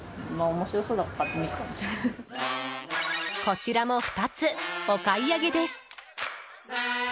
こちらも、２つお買い上げです。